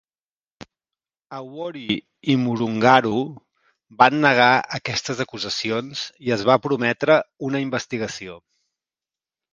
Awori i Murungaru van negar aquestes acusacions i es va prometre una investigació.